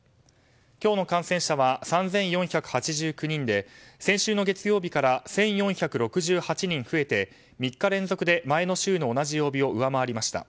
今日の感染者は３４８９人で先週の月曜日から１４６８人増えて３日連続で前の週の同じ曜日を上回りました。